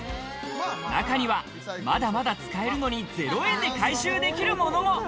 中にはまだまだ使えるのに０円で回収できるものも。